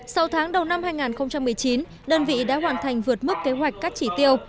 sau tháng đầu năm hai nghìn một mươi chín đơn vị đã hoàn thành vượt mức kế hoạch các chỉ tiêu